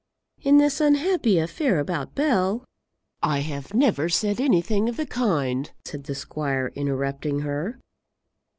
In this unhappy affair about Bell " "I have never said anything of the kind," said the squire, interrupting her.